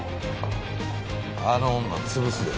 あの女潰すで。